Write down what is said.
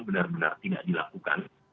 benar benar tidak dilakukan